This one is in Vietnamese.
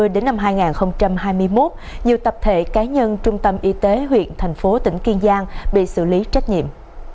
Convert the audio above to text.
đến năm hai nghìn hai mươi một nhiều tập thể cá nhân trung tâm y tế huyện thành phố tỉnh kiên giang bị xử lý trách nhiệm